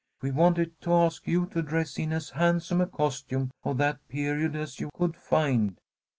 We wanted to ask you to dress in as handsome a costume of that period as you could find.